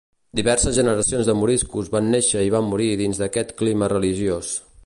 Diverses generacions de moriscos van néixer i van morir dins d'aquest clima religiós.